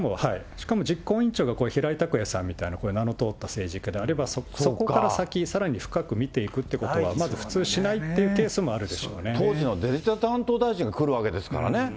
しかも実行委員会が平井卓也さんみたいなこういう名の通った政治家であれば、そこから先、さらに深く見ていくということはまず普通しないっていうケースも当時のデジタル担当大臣が来るわけですからね。